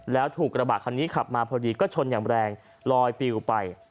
แล้วถูกกระบะคันนี้ขับมาพอดีก็ชนอย่างแรงลอยปิวไป